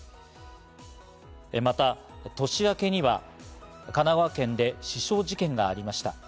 また、年明けには神奈川県で刺傷事件がありました。